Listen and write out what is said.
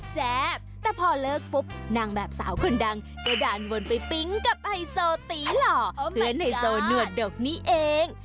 แจ๊บแต่พอเลิกปุ๊บนางแบบสาวคนดังก็ด่านวนไปปิ๊งกับไฮโซตีหล่อเพื่อนไฮโซหนวดดกนี้เอง